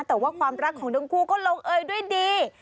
แต่ว่าความรักของทั้งคู่ก็ลงเอยด้วยดี